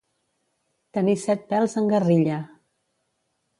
Tenir set pèls en guerrilla.